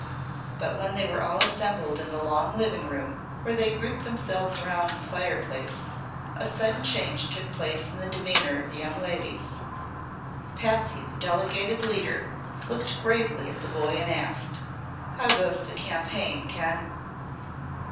But when they were all assembled in the long living room where they grouped themselves around the fireplace, a sudden change took place in the demeanor of the young ladies. Patsy, the delegated leader, looked gravely at the boy and asked: "How goes the campaign, Ken?"